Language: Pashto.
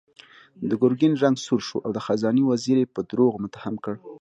د ګرګين رنګ سور شو او د خزانې وزير يې په دروغو متهم کړ.